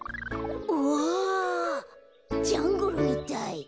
おぉジャングルみたい。